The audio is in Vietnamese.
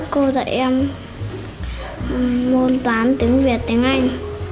cô dạy em môn toán tiếng việt tiếng anh